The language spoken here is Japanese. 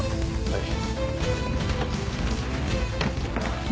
はい。